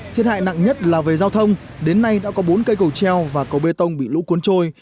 thiệt hại nặng nhất là về giao thông đến nay đã có bốn cây cầu treo và cầu bê tông bị lũ cuốn trôi